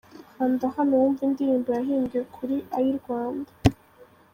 Kanda hano wumve indirimbo yahimbwe kuri Ayirwanda.